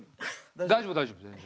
大丈夫大丈夫全然。